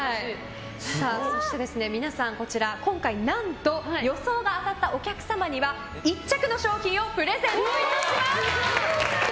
そして、皆さんこちら何と予想が当たったお客様には１着の商品をプレゼントいたします！